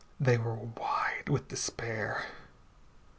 They were wide with despair.